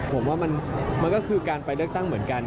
ผมว่ามันก็คือการไปเลือกตั้งเหมือนกัน